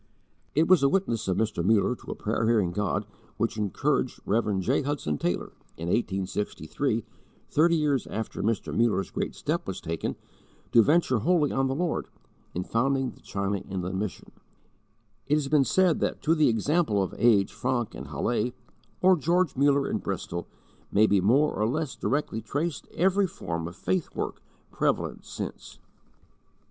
It was the witness of Mr. Muller to a prayer hearing God which encouraged Rev. J. Hudson Taylor, in 1863, thirty years after Mr. Muller's great step was taken, to venture wholly on the Lord, in founding the China Inland Mission. It has been said that to the example of A. H. Francke in Halle, or George Muller in Bristol, may be more or less directly traced every form of 'faith work,' prevalent since.